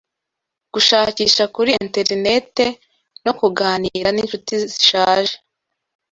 gushakisha kuri enterineti, no kuganira ninshuti zishaje